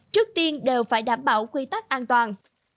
trước tiên đều phải đảm bảo quy tắc an toàn